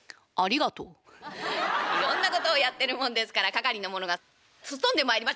いろんなことをやってるもんですから係の者がすっ飛んでまいりまして。